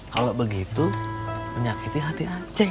kalau begitu menyakiti hati aceh